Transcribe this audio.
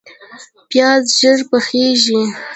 پیاز ژر پخیږي